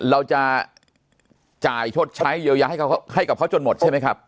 เราจะจ่ายชดใช้เยียวยาให้กับเขาจนหมดใช่ไหมครับ